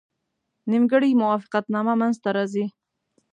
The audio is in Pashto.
نیمګړې موافقتنامه منځته راځي.